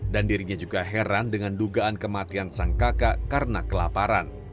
dan dirinya juga heran dengan dugaan kematian sang kakak karena kelaparan